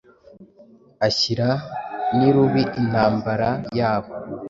Ashyira n'irubi intambara yabo